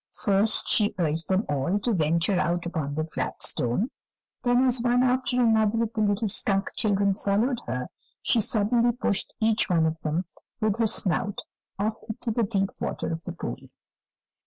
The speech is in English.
First she urged them all to venture out upon the flat stone, then, as one after another of the little skunk children followed her, she suddenly pushed each one of them with her snout off into the deep water of the pool.